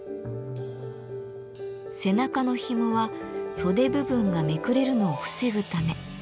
背中のひもは袖部分がめくれるのを防ぐため。